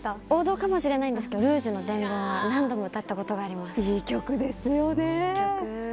王道かもしれないんですけどルージュの伝言は何度も歌ったことがあります。